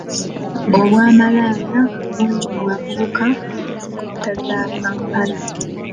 Obwamalaaya bungi mu bavubuka mu nzigotta za Kampala.